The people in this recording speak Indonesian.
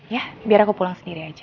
ya biar aku pulang sendiri aja